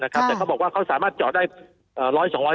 แต่เขาบอกว่าเขาสามารถเจาะได้